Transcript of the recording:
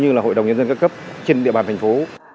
như là hội đồng nhân dân các cấp trên địa bàn thành phố